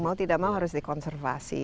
mau tidak mau harus dikonservasi